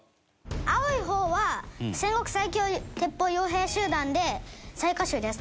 青い方は戦国最強鉄砲傭兵集団で雑賀衆です。